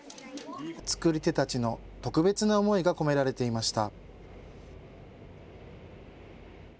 作り手たちの特別な思いが込められていました。